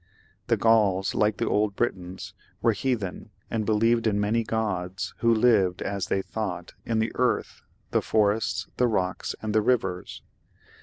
The Gauls, like the old Britons, were heathens, and believed in many gods, who lived, as they thought, in the earth, the forests, the rocks, and the rivers.